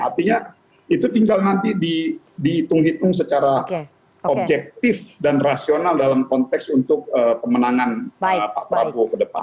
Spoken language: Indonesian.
artinya itu tinggal nanti dihitung hitung secara objektif dan rasional dalam konteks untuk pemenangan pak prabowo ke depan